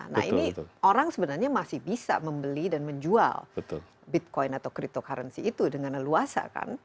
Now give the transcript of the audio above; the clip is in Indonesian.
nah ini orang sebenarnya masih bisa membeli dan menjual bitcoin atau cryptocurrency itu dengan leluasa kan